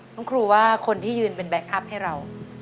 น้องครูว่าคนที่ยืนเป็นแก๊คอัพให้เรา